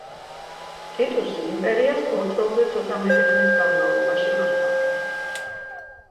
ტიტუსი იმპერიას ორ წელზე ცოტა მეტი ხნის განმავლობაში მართავდა.